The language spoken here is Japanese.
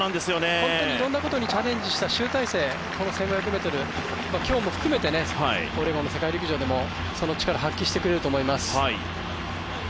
本当にいろんなことにチャレンジした集大成、今日の１５００ｍ含めて今日も含めてオレゴンの世界陸上でもその力を発揮してくれると思います。